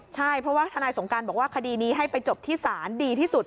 ใช่เพราะว่าทนายสงการบอกว่าคดีนี้ให้ไปจบที่ศาลดีที่สุด